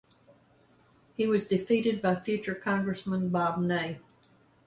He was defeated by future Congressman Bob Ney.